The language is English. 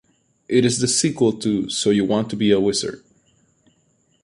It is the sequel to "So You Want to Be a Wizard".